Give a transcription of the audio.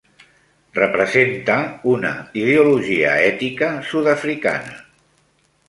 Representa una ideologia ètica sud-africana